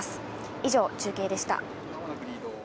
以上、中継でした。